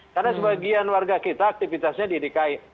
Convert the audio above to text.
karena sebagian warga kita aktivitasnya di dki